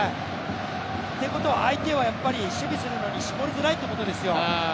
ということは相手はやっぱり守備するのに絞りづらいということですよ。